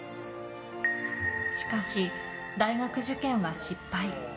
しかし、大学受験は失敗。